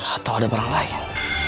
atau ada barang lain